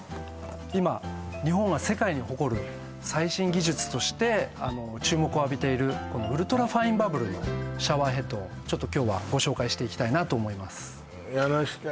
今日本は世界に誇る最新技術として注目を浴びているこのウルトラファインバブルのシャワーヘッドをちょっと今日はご紹介していきたいなと思います